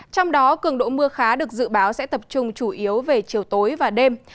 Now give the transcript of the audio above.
trong đó cường độ mưa khá được dự báo sẽ tập trung chủ yếu về chiều tối và đêm